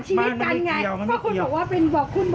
กันอีกรอบหนึ่ง